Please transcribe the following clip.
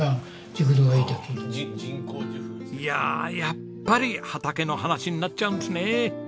いやあやっぱり畑の話になっちゃうんですね。